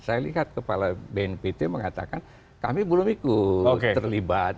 saya lihat kepala bnpt mengatakan kami belum ikut terlibat